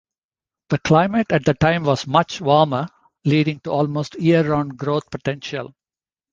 The climate at the time was much warmer, leading to almost year-round growth potential.